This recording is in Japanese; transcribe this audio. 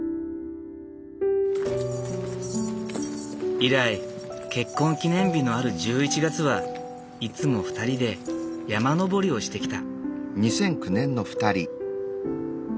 以来結婚記念日のある１１月はいつも２人で山登りをしてきた。